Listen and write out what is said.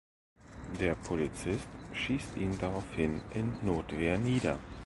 Der Polizist schießt ihn daraufhin in Notwehr nieder.